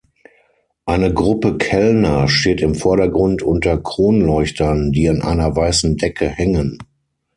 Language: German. Eine Gruppe Kellner steht im Vordergrund unter Kronleuchtern, die an einer weißen Decke hängen.